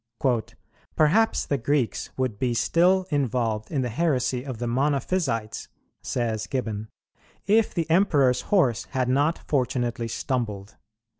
"Perhaps the Greeks would be still involved in the heresy of the Monophysites," says Gibbon, "if the Emperor's horse had not fortunately stumbled.